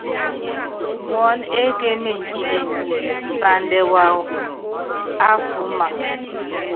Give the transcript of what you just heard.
Muɔ́n ekémenyi kilembi, sandɛ waawɔ afúúma.